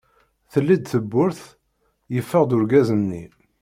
Telli-d tewwurt, yeffeɣ-d urgaz-nni.